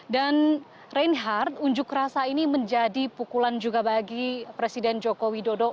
dan reinhardt unjuk rasa ini menjadi pukulan juga bagi presiden joko widodo